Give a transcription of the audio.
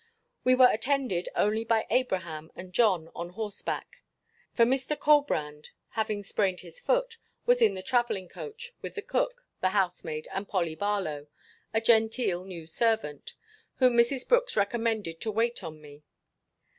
We were attended only by Abraham and John, on horseback: for Mr. Colbrand, having sprained his foot, was in the travelling coach, with the cook, the housemaid, and Polly Barlow, a genteel new servant, whom Mrs. Brooks recommended to wait on me.